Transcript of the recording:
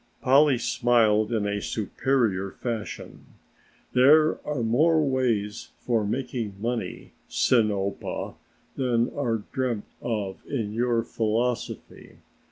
Polly smiled in a superior fashion. "There are more ways for making money, Sinopa, than are dreamt of in your philosophy.